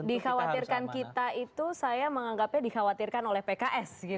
dikhawatirkan kita itu saya menganggapnya dikhawatirkan oleh pks